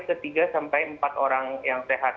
ketiga sampai empat orang yang sehat